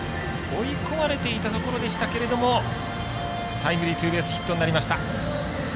追い込まれていたところでしたがタイムリーツーベースヒットになりました。